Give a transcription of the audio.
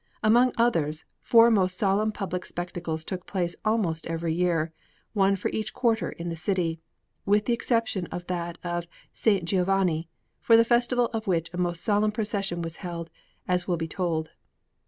Among others, four most solemn public spectacles took place almost every year, one for each quarter of the city, with the exception of that of S. Giovanni, for the festival of which a most solemn procession was held, as will be told.